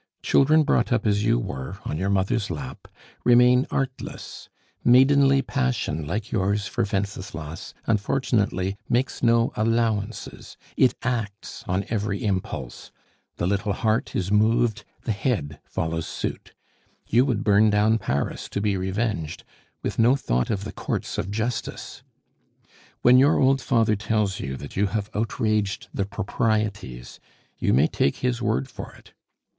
Children brought up as you were, on your mother's lap, remain artless; maidenly passion like yours for Wenceslas, unfortunately, makes no allowances; it acts on every impulse. The little heart is moved, the head follows suit. You would burn down Paris to be revenged, with no thought of the courts of justice! "When your old father tells you that you have outraged the proprieties, you may take his word for it.